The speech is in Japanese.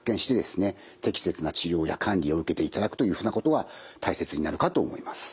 適切な治療や管理を受けていただくというふうなことは大切になるかと思います。